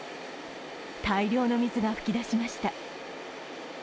大量の水が噴き出しました。